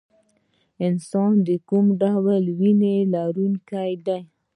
انسان د کوم ډول وینې لرونکی دی